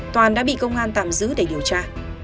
toàn đã bị công an tạm giữ để điều tra